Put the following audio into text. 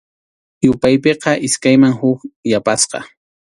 Yupaypiqa iskayman huk yapasqa.